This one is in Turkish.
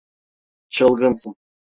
Çılgınsın.